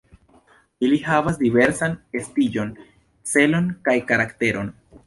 Ili havas diversan estiĝon, celon kaj karakteron.